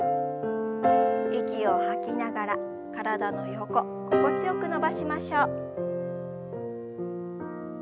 息を吐きながら体の横心地よく伸ばしましょう。